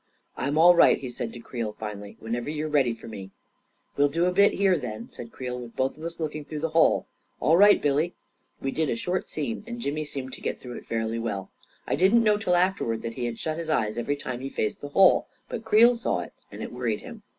" I'm all right," he said to Creel, finally, " when ever you're ready for me." " We'll do a bit here, then," said Creel, " with both of us looking through the hole. All right, Billy !" We did a short scene, and Jimmy seemed to get 204 A KING IN BABYLON through it fairly well. I didn't know till afterwards that he had shut his eyes every time he faced the hole, but Creel saw it and it worried him.